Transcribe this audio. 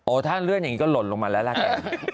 ถ้าเลื่อนอย่างนี้ก็หล่นลงมาแล้วล่ะ